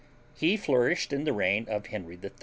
He flourished in the reign of Henry III.